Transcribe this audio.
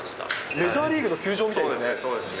メジャーリーグの球場みたいそうですね。